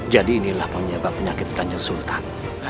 jadi inilah penyebab penyakit kandang sultan